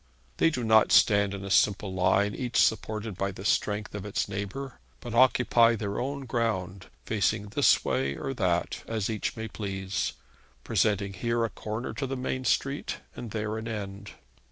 They do not stand in a simple line, each supported by the strength of its neighbour, but occupy their own ground, facing this way or that as each may please, presenting here a corner to the main street, and there an end.